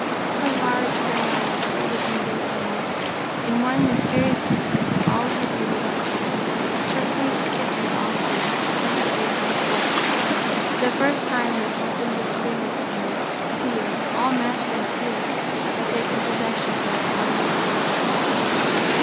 Her large gray eyes stared at him vacantly. In one mysterious instant all her beauty left her; her face stiffened awfully, like the face of a corpse. For the first time in the captain's experience of her, fear—all mastering fear—had taken possession of her, body and soul.